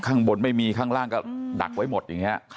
ข้างบนไม่มีข้างล่างก็ดักไว้หมดอย่างนี้